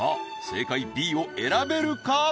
正解Ｂを選べるか？